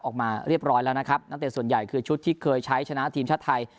ออกมาเรียบร้อยแล้วนะครับนักเตะส่วนใหญ่คือชุดที่เคยใช้ชนะทีมชาติไทย